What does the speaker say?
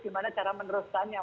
gimana cara meneruskannya